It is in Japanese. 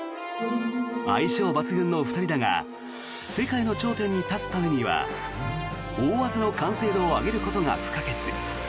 相性抜群の２人だが世界の頂点に立つためには大技の完成度を上げることが不可欠。